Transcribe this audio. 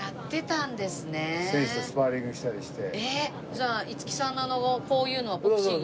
じゃあ五木さんのあのこういうのはボクシング。